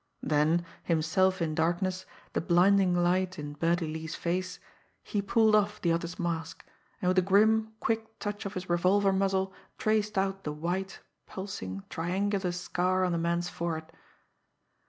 Then, himself in darkness, the blinding light in Birdie Lee's face, he pulled off the other's mask, and with a grim, quick touch of his revolver muzzle traced out the white, pulsing, triangular scar on the man's forehead.